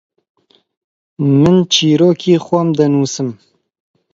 من چیرۆکی خۆم دەنووسم.